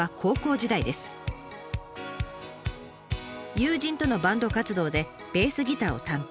友人とのバンド活動でベースギターを担当。